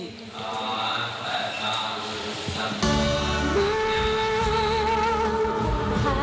ที่มีใหญ่